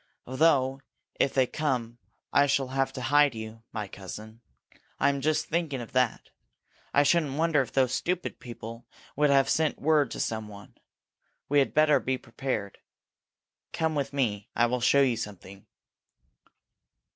Though if they come, I shall have to hide you, my cousin! I am just thinking of that. I shouldn't wonder if those stupid people would have sent word to someone. We had better be prepared. Come with me I will show you something."